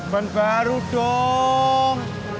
ban baru dong